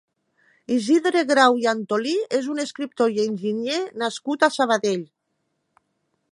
Isidre Grau i Antolí és un escriptor i enginyer nascut a Sabadell.